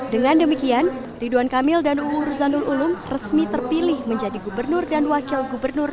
dengan demikian ridwan kamil dan uu ruzanul ulum resmi terpilih menjadi gubernur dan wakil gubernur